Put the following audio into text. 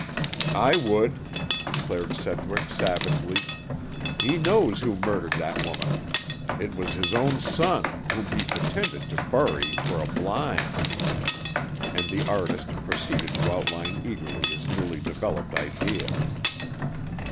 "I would," declared Sedgwick savagely. "He knows who murdered that woman. It was his own son, whom he pretended to bury, for a blind." And the artist proceeded to outline eagerly his newly developed idea.